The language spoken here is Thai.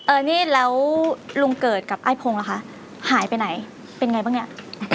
นี่แล้วลุงเกิดกับไอ้พงศ์ล่ะคะหายไปไหนเป็นไงบ้างเนี่ย